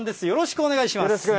よろしくお願いします。